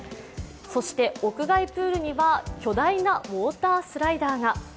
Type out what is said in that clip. そして屋外プールには巨大なウォータースライダーが。